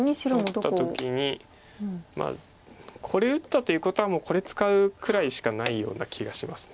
取った時にまあこれ打ったということはこれ使うくらいしかないような気がします。